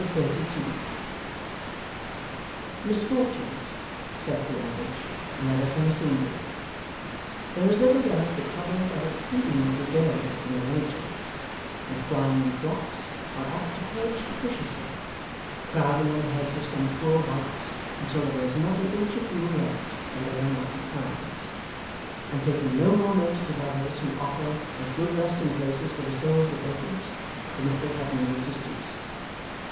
Chapter 32 Misfortunes, saith the adage, never come singly. There is little doubt that troubles are exceedingly gregarious in their nature, and flying in flocks, are apt to perch capriciously; crowding on the heads of some poor wights until there is not an inch of room left on their unlucky crowns, and taking no more notice of others who offer as good resting places for the soles of their feet, than if they had no existence.